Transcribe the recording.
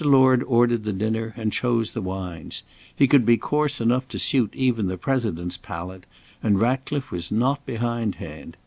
Lord ordered the dinner and chose the wines. He could be coarse enough to suit even the President's palate, and Ratcliffe was not behindhand.